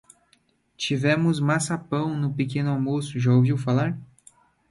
Tivemos maçapão no pequeno almoço. Já ouviu falar?